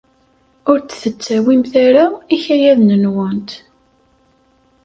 Ur d-tettawimt ara ikayaden-nwent.